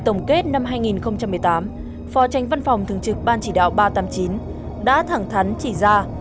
trong hội nghị tổng kết năm hai nghìn một mươi tám phò tranh văn phòng thường trực ban chỉ đạo ba trăm tám mươi chín đã thẳng thắn chỉ ra